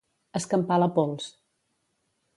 Escampar la pols.